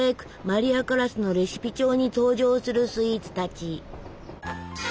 マリア・カラスのレシピ帳に登場するスイーツたち。